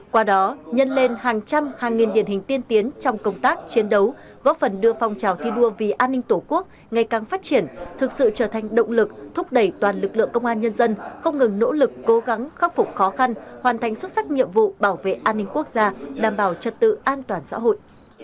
qua đó nhân lên hàng trăm hàng nghìn điển hình tiên tiến trong công tác chiến đấu góp phần đưa phong trào thi đua vì an ninh tổ quốc ngày càng phát triển thực sự trở thành động lực thúc đẩy toàn lực lượng công an nhân dân không ngừng nỗ lực cố gắng khắc phục khó khăn hoàn thành xuất sắc nhiệm vụ bảo vệ an ninh quốc gia đảm bảo trật tự an toàn xã hội